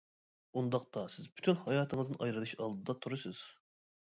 -ئۇنداقتا سىز پۈتۈن ھاياتىڭىزدىن ئايرىلىش ئالدىدا تۇرىسىز!